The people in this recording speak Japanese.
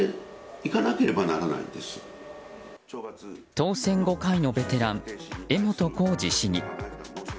当選５回のベテラン江本浩二市議。